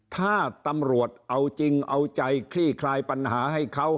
ถ้าตำรวจเอาจริงเอาใจคลี่คลายปัญหาให้เขา